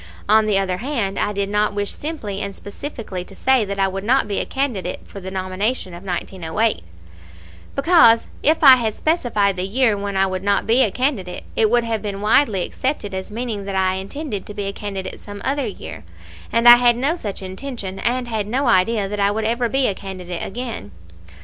On the other hand, I did not wish simply and specifically to say that I would not be a candidate for the nomination in 1908, because if I had specified the year when I would not be a candidate, it would have been widely accepted as meaning that I intended to be a candidate some other year; and I had no such intention, and had no idea that I would ever be a candidate again.